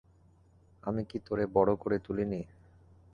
আমি কি তোরে বড় করে তুলিনি?